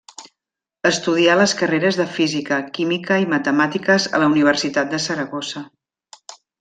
Estudià les carreres de física, química i matemàtiques a la Universitat de Saragossa.